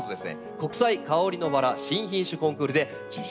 国際香りのばら新品種コンクールで受賞されました。